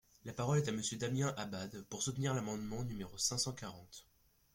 La parole est à Monsieur Damien Abad, pour soutenir l’amendement numéro cinq cent quarante.